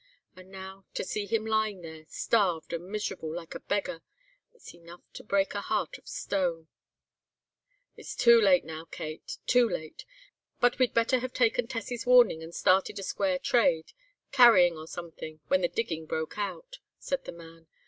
And now to see him lying here, starved and miserable, like a beggar; it's enough to break a heart of stone—' "'It's too late now, Kate, too late; but we'd better have taken Tessie's warning and started a square trade, carrying or something, when the digging broke out,' said the man.